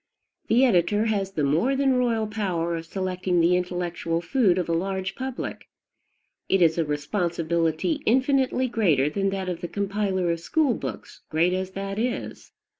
The editor has the more than royal power of selecting the intellectual food of a large public. It is a responsibility infinitely greater than that of the compiler of schoolbooks, great as that is.